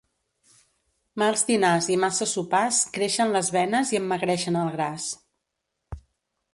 Mals dinars i massa sopars creixen les venes i emmagreixen el gras.